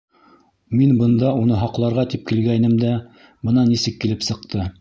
Мин бында уны һаҡларға тип килгәйнем дә, бына нисек килеп сыҡты.